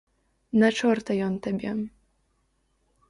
На чорта ён табе.